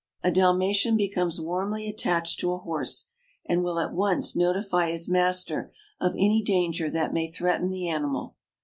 A Dalmatian becomes warmly attached to a horse, and will at once notify his master of any danger that may threaten the animal.